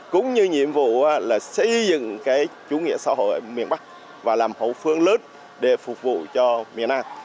cũng như nhiệm vụ là xây dựng cái chủ nghĩa xã hội miền bắc và làm hậu phương lớn để phục vụ cho miền nam